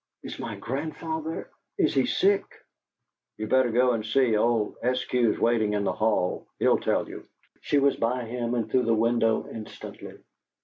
"Is my grandfather is he sick?" "You better go and see. Old Eskew's waiting in the hall. He'll tell you." She was by him and through the window instantly.